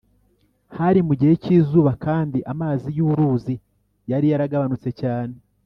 Hari mu gihe cy izuba kandi amazi y uruzi yari yaragabanutse cyane